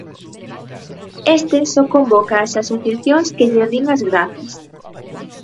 Este só convoca as asociacións que lle rin as grazas.